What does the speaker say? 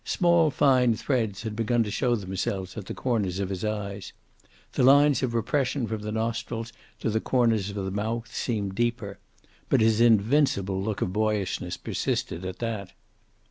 Small fine threads had begun to show themselves at the corners of his eyes. The lines of repression from the nostrils to the corners of the mouth seemed deeper. But his invincible look of boyishness persisted, at that.